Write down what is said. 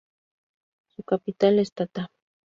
Su capital es Tata.